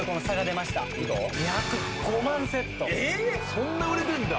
そんな売れてんだ。